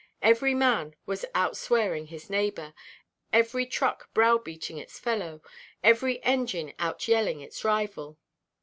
Every man was out–swearing his neighbour, every truck browbeating its fellow, every engine out–yelling its rival.